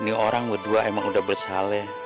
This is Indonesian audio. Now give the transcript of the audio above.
nih orang berdua emang udah bersalah